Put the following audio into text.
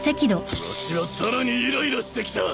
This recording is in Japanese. わしはさらにイライラしてきた！